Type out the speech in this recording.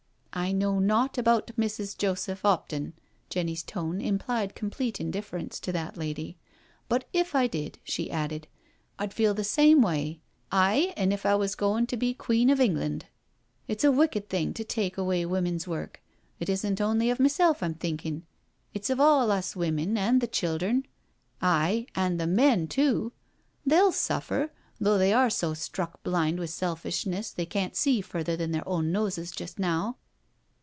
" I know naught about Mrs. Joseph 'Opton "— Jenny's tone implied complete indifference to that lady —" but if I did," she added, " I'd feel the same way — ^aye, an* if I Was goin' to be Queen of England. It's a wicked thing to take away women's work — ^it isn't only of meself I'm thinkin'— it's of all us women and the childhern— aye, an' the men too. They'll suffer, though they are so struck blind wi' selfishness they can't see further than their own noses jest now."